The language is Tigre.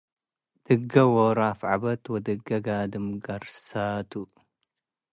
ድጌ ኦሮ አፍዐበድ ወድጌ ጋድም ገርሳቱ